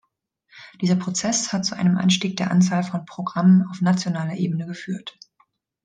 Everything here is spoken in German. Dieser Prozess hat zu einem Anstieg der Anzahl von Programmen auf nationaler Ebene geführt.